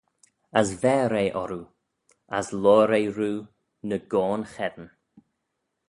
As verr eh orroo, as loayr eh roo ny goan cheddin.